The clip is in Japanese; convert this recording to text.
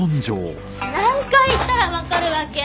何回言ったら分かるわけ？